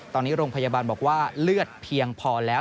ตอนนี้โรงพยาบาลบอกว่าเลือดเพียงพอแล้ว